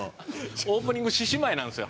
オープニング獅子舞なんですよ。